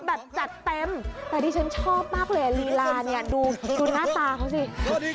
แบบจัดเต็มแต่ดิฉันชอบมากเลยลีลาเนี่ยดูหน้าตาเขาสิ